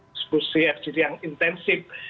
diskusi fgd yang intensif